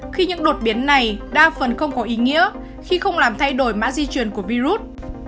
khi những đột biến này đa phần không có ý nghĩa khi không làm thay đổi mã di truyền của virus